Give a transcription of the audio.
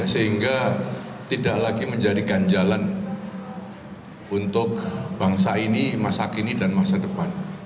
sehingga tidak lagi menjadi ganjalan untuk bangsa ini masa kini dan masa depan